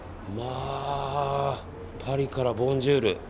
パリからボンジュール。